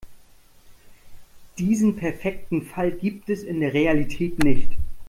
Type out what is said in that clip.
Diesen perfekten Fall gibt es in der Realität nicht.